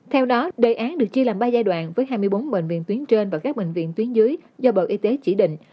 theo đó đề án được chia làm ba giai đoạn với hai mươi bốn bệnh viện tuyến trên và các bệnh viện tuyến dưới do bộ y tế chỉ định